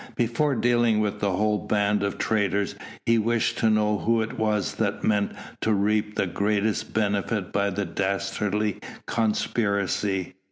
Before dealing with the whole band of traitors he wished to know who it was that meant to reap the greatest benefit by the dastardly conspiracy.